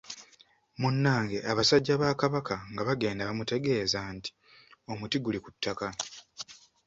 Munnange abasajja bakabaka nga bagenda bamutegeeza nti omuti guli kuttaka.